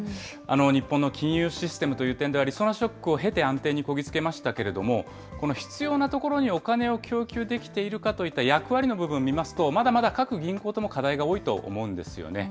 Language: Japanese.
日本の金融システムという点では、りそなショックを経て安定にこぎ着けましたけれども、この必要なところにお金を供給できているかといった役割の部分を見ますと、まだまだ各銀行とも課題が多いと思うんですよね。